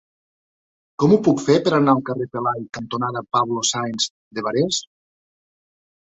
Com ho puc fer per anar al carrer Pelai cantonada Pablo Sáenz de Barés?